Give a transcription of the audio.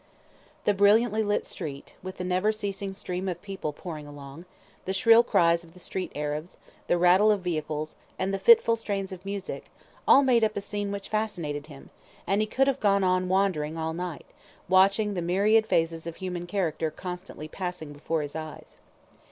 The brilliantly lit street, with the never ceasing stream of people pouring along; the shrill cries of the street Arabs, the rattle of vehicles, and the fitful strains of music, all made up a scene which fascinated him, and he could have gone on wandering all night, watching the myriad phases of human character constantly passing before his eyes.